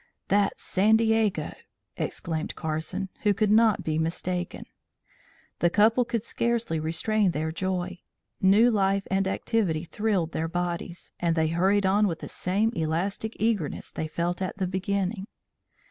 "That's San Diego!" exclaimed Carson, who could not be mistaken. The couple could scarcely restrain their joy. New life and activity thrilled their bodies, and they hurried on with the same elastic eagerness they felt at the beginning.